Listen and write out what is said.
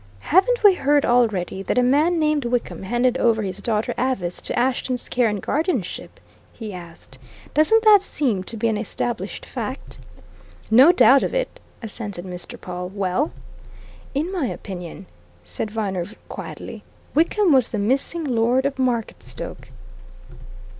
"Haven't we heard already, that a man named Wickham handed over his daughter Avice to Ashton's care and guardianship?" he asked. "Doesn't that seem to be an established fact?" "No doubt of it!" assented Mr. Pawle. "Well?" "In my opinion," said Viner, quietly, "Wickham was the missing Lord of Marketstoke!"